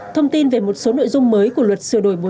thông tin về một số nội dung mới của luật sửa đổi một